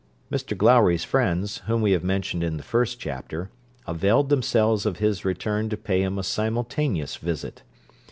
Mr Glowry's friends, whom we have mentioned in the first chapter, availed themselves of his return to pay him a simultaneous visit.